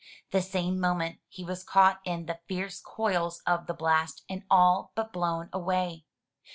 The same moment he was caught in the fierce coils of the blast, and all but blown away.